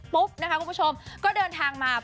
นะคะคุณผู้ชมก็เดินทางมา